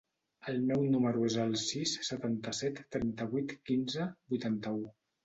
El meu número es el sis, setanta-set, trenta-vuit, quinze, vuitanta-u.